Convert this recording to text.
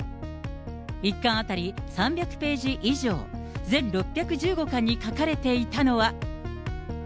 １巻当たり３００ページ以上、全６１５巻に書かれていたのは。